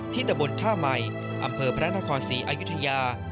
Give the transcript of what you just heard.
ตะบนท่าใหม่อำเภอพระนครศรีอายุทยา